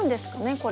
これ。